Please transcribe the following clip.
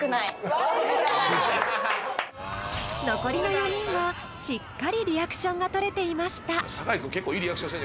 ［残りの４人はしっかりリアクションが撮れていました］